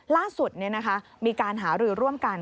ล่าสุดมีการหารือร่วมกัน